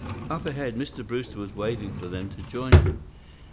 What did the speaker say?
Up ahead, Mr. Brewster was waving for them to join him.